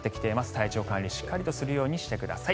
体調管理しっかりとするようにしてください。